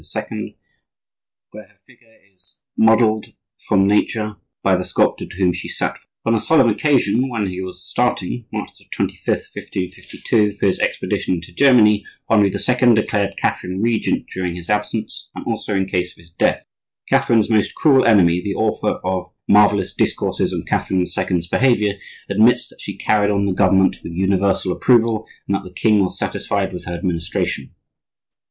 where her figure is modelled from nature by the sculptor to whom she sat for it. On a solemn occasion, when he was starting, March 25, 1552, for his expedition into Germany, Henri II. declared Catherine regent during his absence, and also in case of his death. Catherine's most cruel enemy, the author of "Marvellous Discourses on Catherine the Second's Behavior" admits that she carried on the government with universal approval and that the king was satisfied with her administration.